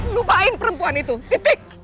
lupain perempuan itu titik